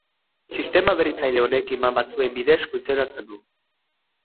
Sistema berritzaile honek iman batzuen bidez funtzionatzen du.